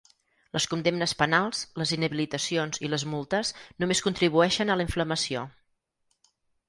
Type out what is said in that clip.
Les condemnes penals, les inhabilitacions i les multes només contribueixen a la inflamació.